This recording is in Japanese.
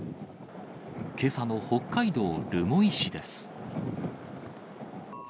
けさの北海道留萌市です。